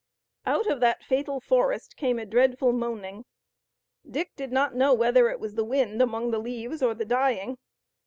Out of that fatal forest came a dreadful moaning. Dick did not know whether it was the wind among the leaves or the dying.